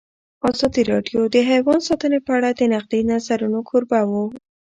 ازادي راډیو د حیوان ساتنه په اړه د نقدي نظرونو کوربه وه.